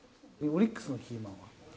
オリックスのキーマンは？